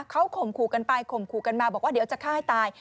เขาข่มขู่กันไปข่มขู่กันมาบอกว่าเดี๋ยวจะฆ่าให้ตาย